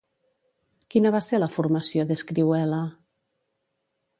Quina va ser la formació d'Escrihuela?